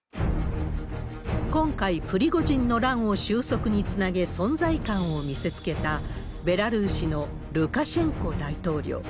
今回、プリゴジンの乱を収束につなげ、存在感を見せつけたベラルーシのルカシェンコ大統領。